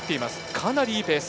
かなりいいペース。